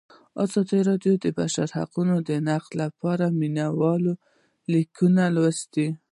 ازادي راډیو د د بشري حقونو نقض په اړه د مینه والو لیکونه لوستي.